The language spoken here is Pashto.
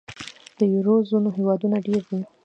د یورو زون هېوادونه ډېر دي.